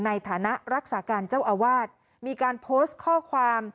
ในฐานะรักษาการเจ้าอาวาสมีการโพสต์ข้อความ